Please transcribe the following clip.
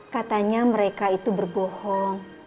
katanya mereka itu berbohong